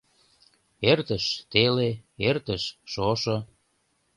Эртыш теле, эртыш шошо